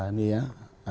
nah di sini ada tema